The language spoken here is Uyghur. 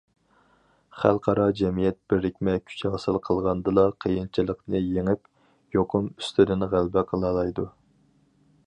خەلقئارا جەمئىيەت بىرىكمە كۈچ ھاسىل قىلغاندىلا، قىيىنچىلىقنى يېڭىپ، يۇقۇم ئۈستىدىن غەلىبە قىلالايدۇ.